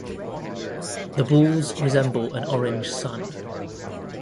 The balls resemble an orange sun.